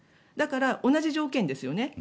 だから、同じ条件ですよね。